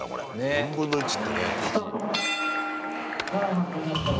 ４分の１ってね。